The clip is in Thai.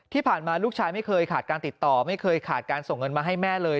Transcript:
ที่ผ่านมาลูกชายไม่เคยขาดการติดต่อไม่เคยขาดการส่งเงินมาให้แม่เลย